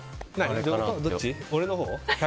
俺のほう？